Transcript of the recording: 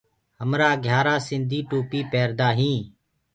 همرآ گھِيآرآ سنڌي ٽوپيٚ پيردآ هينٚ۔